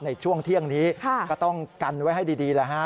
ในช่วงเที่ยงนี้ก็ต้องกันไว้ให้ดีแล้วฮะ